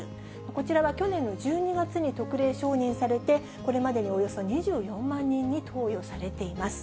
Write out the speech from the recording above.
こちらは去年の１２月に特例承認されて、これまでにおよそ２４万人に投与されています。